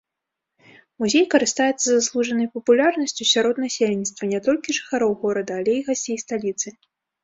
Музей карыстаецца заслужанай папулярнасцю сярод насельніцтва не толькі жыхароў горада, але і гасцей сталіцы.